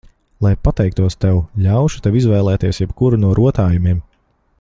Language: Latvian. Lai pateiktos tev, ļaušu tev izvēlēties jebkuru no rotājumiem.